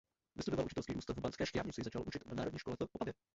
Vystudoval učitelský ústav v Banské Štiavnici začal učit na národní škole v Opavě.